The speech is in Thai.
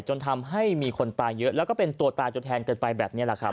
จนทำให้มีคนตายเยอะแล้วก็เป็นตัวตายตัวแทนกันไปแบบนี้แหละครับ